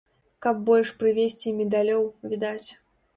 Каб больш прывезці медалёў, відаць!